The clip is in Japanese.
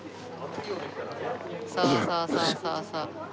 そうそうそうそう。